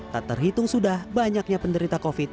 tak terhitung sudah banyaknya penderita covid sembilan belas